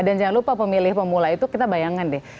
dan jangan lupa pemilih pemula itu kita bayangkan deh